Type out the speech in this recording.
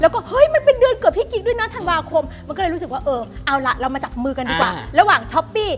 คุณคือตำนานผมทำไม่ได้